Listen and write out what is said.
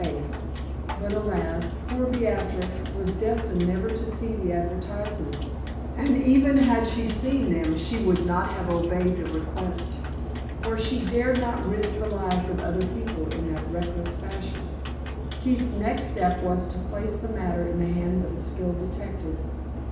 K." But, alas! poor Beatrix was destined never to see the advertisements; and even had she seen them she would not have obeyed the request, for she dared not risk the lives of other people in that reckless fashion. Keith's next step was to place the matter in the hands of a skilled detective.